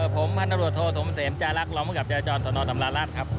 ผมท่านตรวจโทษทมจารักษ์รองภักดิ์จรสนสำรราชครับ